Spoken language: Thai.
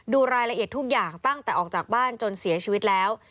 ดูรายละเอียดทุกอย่างตั้งแต่ออกจากบ้านจนเสียชีวิตแล้ว